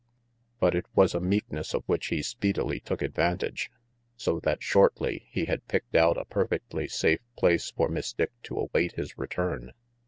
But it was a meekness of which he speedily took advantage, so that shortly he had picked out a perfectly safe place for Miss Dick to await his return.